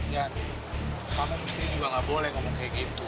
yan kamu mesti juga gak boleh ngomong kayak gitu